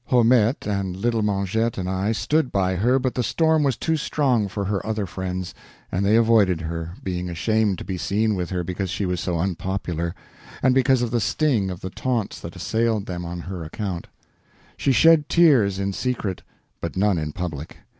Haumette and Little Mengette and I stood by her, but the storm was too strong for her other friends, and they avoided her, being ashamed to be seen with her because she was so unpopular, and because of the sting of the taunts that assailed them on her account. She shed tears in secret, but none in public.